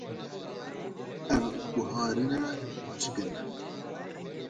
Ev guharine xweşik in.